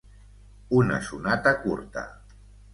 Una sonata curta.